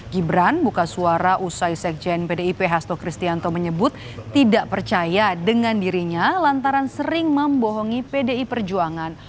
gibran buka suara usai sekjen pdip hasto kristianto menyebut tidak percaya dengan dirinya lantaran sering membohongi pdi perjuangan